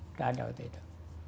nggak ada waktu itu